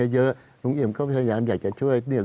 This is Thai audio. อะไรเยอะลุงเอี่ยมก็พยายามอยากจะช่วย